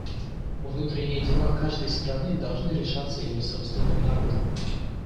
Внутренние дела каждой страны должны решаться ее собственным народом.